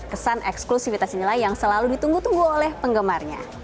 kesan eksklusifitas inilah yang selalu ditunggu tunggu oleh penggemarnya